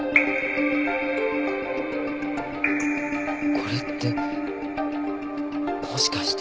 これってもしかして？